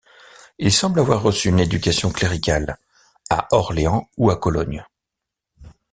Il semble avoir reçu une éducation cléricale, à Orléans ou à Cologne.